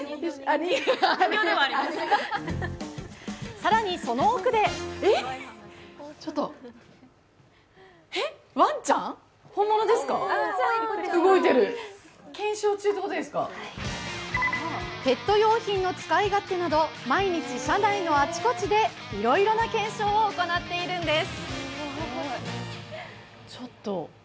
更にその奥でペット用品の使い勝手など毎日社内のあちこちでいろいろな検証を行っているんです。